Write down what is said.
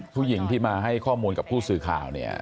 ผู้หญิงที่มาให้ข้อมูลกับผู้สื่อข่าวเนี่ย